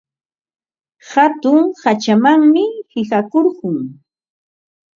Hatun hachamanmi qiqakurqun.